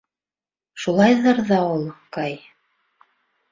Шулайҙыр ҙа ул, Кай.